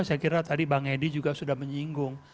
saya kira tadi bang edi juga sudah menyinggung